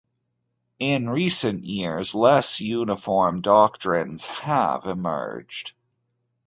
In recent years less uniform doctrines have emerged.